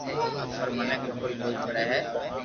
پر مني خبر ڪوئي پڙي ھي